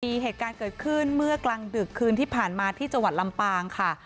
มีเหตุการณ์เกิดขึ้นเมื่อกลางดึกคืนที่ผ่านมาที่จังหวัดลำปางค่ะ